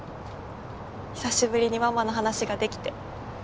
久しぶりにママの話ができて。